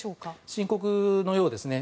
深刻のようですね。